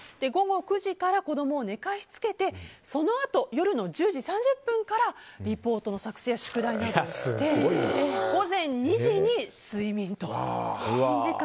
午後９時から子供を寝かしつけてそのあと夜の１０時３０分からリポートを作成宿題などをやって午前２時に睡眠と。